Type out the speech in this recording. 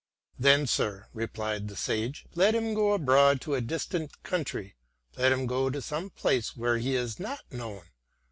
" Then, sir," replied the sage, " let him go abroad to a distant country, let him go to some place where he is not known.